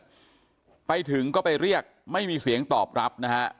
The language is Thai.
หลับไปถึงก็ไปเรียกไม่มีเสียงตอบรับ